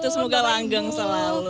semoga langgeng selalu